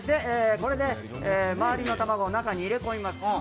これで周りの卵を中に入れ込みます。